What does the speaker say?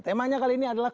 temanya kali ini adalah